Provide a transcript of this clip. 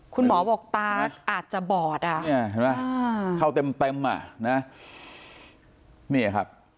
คุณหมอบอกตาอาจจะบอดนี่เห็นป่ะเข้าเต็มนี่ครับ